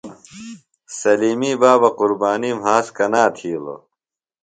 سلیمی بابہ قُربانی مھاس کنا تِھیلوۡ؟